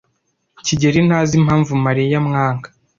kigeli ntazi impamvu Mariya amwanga.